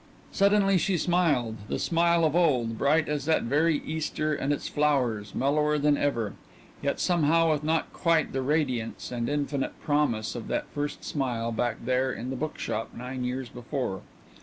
Suddenly she smiled the smile of old, bright as that very Easter and its flowers, mellower than ever yet somehow with not quite the radiance and infinite promise of that first smile back there in the bookshop nine years before.